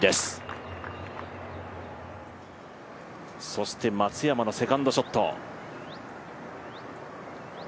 そして松山のセカンドショット。